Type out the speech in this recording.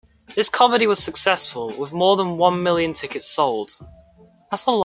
This comedy was successful, with more than one million tickets sold.